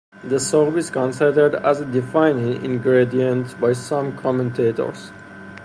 The soup is considered a defining ingredient by some commentators.